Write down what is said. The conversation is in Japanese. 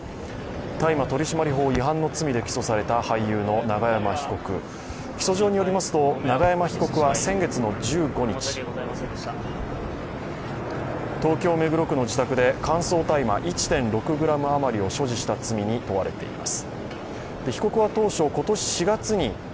大麻取締法違反の罪で起訴された俳優の永山被告、起訴状によりますと永山被告は先月の１５日東京・目黒区の自宅で乾燥大麻１．６ｇ余りを所持した罪に問われています。